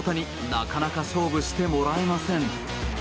なかなか勝負してもらえません。